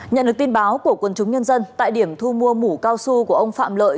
nhận được tin báo của quân chúng nhân dân tại điểm thu mua mũ cao su của ông phạm lợi